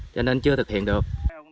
cho nên chưa thực hiện được